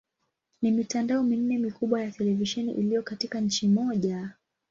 Ni mitandao minne mikubwa ya televisheni iliyo katika nchi moja.